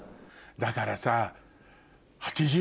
だからさ。